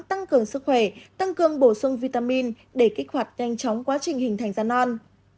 tăng cường sức khỏe tăng cường bổ sung vitamin để kích hoạt nhanh chóng quá trình hình thành gian on